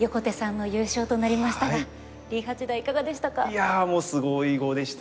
いやもうすごい碁でしたね。